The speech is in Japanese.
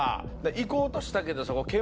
行こうとしたけど検問で。